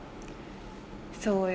『そうよ。